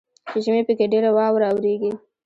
چې ژمي پکښې ډیره واوره اوریږي.